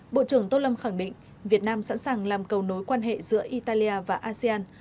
bộ trưởng tô lâm khẳng định việt nam sẵn sàng làm cầu nối quan hệ giữa italia và asean